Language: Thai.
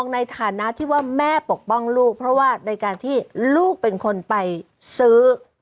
ในฐานะที่ว่าแม่ปกป้องลูกเพราะว่าในการที่ลูกเป็นคนไปซื้อ